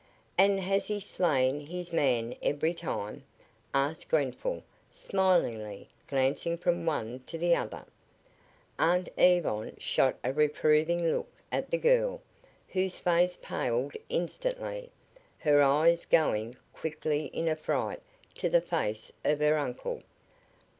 "And has he slain his man every time?" asked Grenfall, smilingly, glancing from one to the other. Aunt Yvonne shot a reproving look at the girl, whose face paled instantly, her eyes going quickly in affright to the face of her uncle.